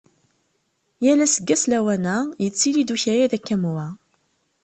Yal aseggas lawan-a, yettili-d ukayad akka am wa.